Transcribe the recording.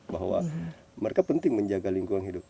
bahwa mereka penting menjaga lingkungan hidup